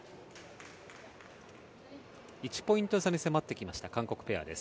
１ポイント差に迫ってきた韓国ペアです。